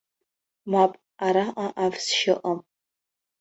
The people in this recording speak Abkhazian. Мап, араҟа авсшьа ыҟам.